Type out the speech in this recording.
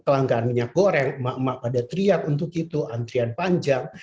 kelangkaan minyak goreng emak emak pada teriak untuk itu antrian panjang